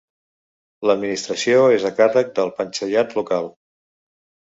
L'administració és a càrrec del panchayat local.